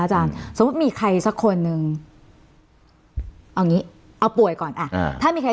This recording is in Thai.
อาจารย์สมมุติมีใครสักคนนึงเอางี้เอาป่วยก่อนถ้ามีใคร